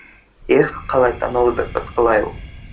Их, ҡалай танауҙы ҡытыҡлай ул!